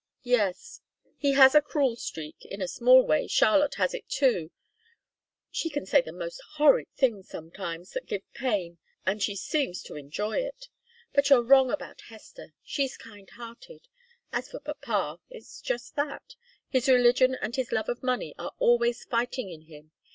"Yes. He has a cruel streak. In a small way, Charlotte has it, too. She can say the most horrid things sometimes, that give pain, and she seems to enjoy it. But you're wrong about Hester she's kind hearted. As for papa it's just that. His religion and his love of money are always fighting in him.